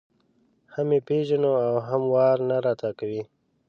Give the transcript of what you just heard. هم یې پېژنو او هم واره نه راته کوي.